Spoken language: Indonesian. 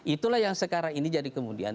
itulah yang sekarang ini jadi kemudian